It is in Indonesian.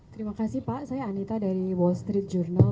terima kasih pak saya anita dari wall street journal